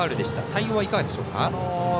対応はいかがでしょうか？